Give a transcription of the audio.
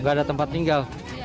nggak ada tempat tinggal